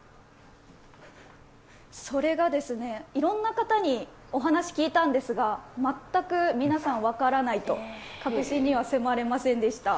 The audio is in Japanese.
それがですね、いろんな方にお話、聞いたんですが全く皆さん、分からないと、核心には迫れませんでした。